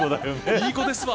いい子ですわ